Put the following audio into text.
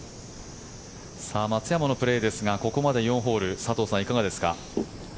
松山のプレーですがここまで４ホール佐藤さん、いかがですか。